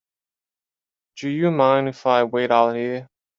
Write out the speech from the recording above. Do you mind if I wait out here?